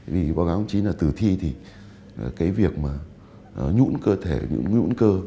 vì báo cáo chính là từ thi thì cái việc mà nhũn cơ thể nhũn cơ